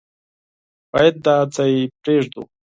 بايد دا ځای پرېږدو.